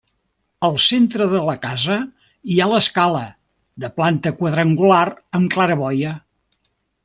Al centre de la casa hi ha l'escala de planta quadrangular amb claraboia.